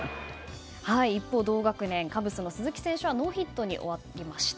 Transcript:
一方、同学年カブスの鈴木選手はノーヒットに終わりました。